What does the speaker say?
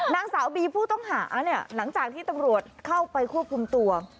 นางสาวบีผู้ต้องหาเนี่ยหลังจากที่ตำรวจเข้าไปควบคุมตัว